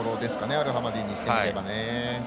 アルハマディにしてみれば。